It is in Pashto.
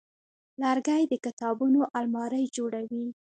لرګی د کتابونو المارۍ جوړوي.